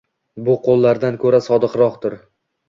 Bu qoʻllardan koʻra sodiqroqdir